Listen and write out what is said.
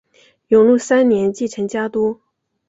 永禄三年继承家督。